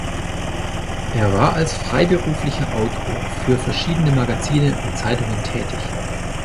Er war als freiberuflicher Autor für verschiedene Magazine und Zeitungen tätig.